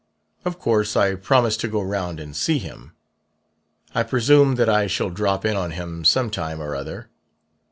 Of course I promised to go round and see him. I presume that I shall drop in on him some time or other.